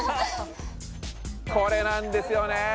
これなんですよね。